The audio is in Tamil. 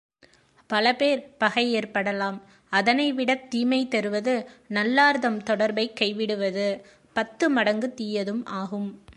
பலபேர் பகை ஏற்படலாம் அதனைவிடத் தீமை தருவது நல்லார்தம் தொடர்பைக் கைவிடுவது, பத்து மடங்கு தீயதும் ஆகும்.